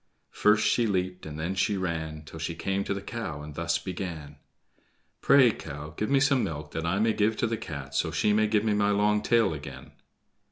First she leaped, and then she ran, Till she came to the cow, and thus began: "Pray, cow, give me some milk that I may give to the Cat, so she may give me my long tail again."